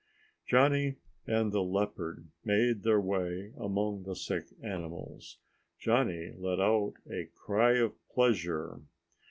Johnny and the leopard made their way among the sick animals. Johnny let out a cry of pleasure.